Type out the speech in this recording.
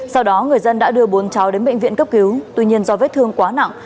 sau đó người dân đã đưa bốn cháu đến bệnh viện cấp cứu tuy nhiên do vết thương quá nặng